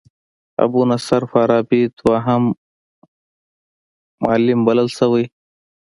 ابو نصر فارابي دوهم معلم بلل شوی.